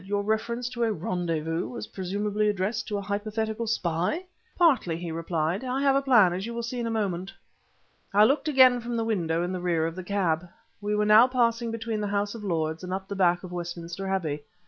"Your reference to a 'rendezvous' was presumably addressed to a hypothetical spy? "Partly," he replied. "I have a plan, as you will see in a moment." I looked again from the window in the rear of the cab. We were now passing between the House of Lords and the back of Westminster Abbey ...